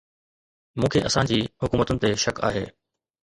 مون کي اسان جي حڪومتن تي شڪ آهي